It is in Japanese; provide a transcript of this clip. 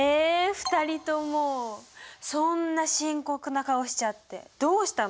２人ともそんな深刻な顔しちゃってどうしたの？